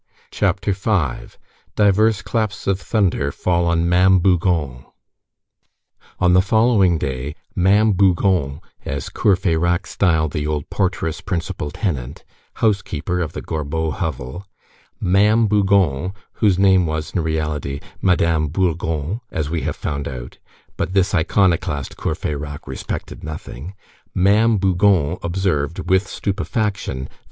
CHAPTER V—DIVERS CLAPS OF THUNDER FALL ON MA'AM BOUGON On the following day, Ma'am Bougon, as Courfeyrac styled the old portress principal tenant, housekeeper of the Gorbeau hovel, Ma'am Bougon, whose name was, in reality, Madame Burgon, as we have found out, but this iconoclast, Courfeyrac, respected nothing,—Ma'am Bougon observed, with stupefaction, that M.